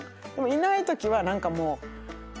いないときは何かもう。